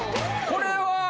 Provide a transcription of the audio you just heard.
これは？